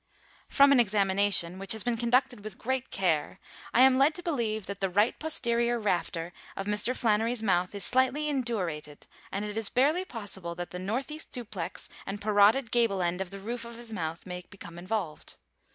From an examination, which has been conducted with great care, I am led to believe that the right posterior rafter of Mr. Flannery's mouth is slightly indurated, and it is barely possible that the northeast duplex and parotid gable end of the roof of his mouth may become involved.